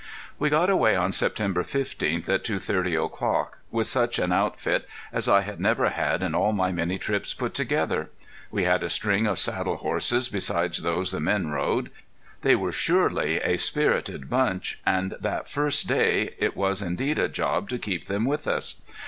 We got away on September fifteenth at two thirty o'clock with such an outfit as I had never had in all my many trips put together. We had a string of saddle horses besides those the men rode. They were surely a spirited bunch; and that first day it was indeed a job to keep them with us.